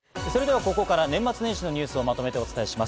ここから年末年始のニュースをまとめてお伝えします。